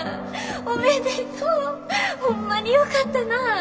おめでとう！ホンマによかったなぁ！